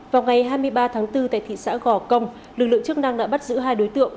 vào ngày hai mươi ba tháng bốn tại thị xã gò công lực lượng chức năng đã bắt giữ hai đối tượng